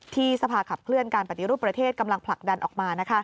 สภาขับเคลื่อนการปฏิรูปประเทศกำลังผลักดันออกมา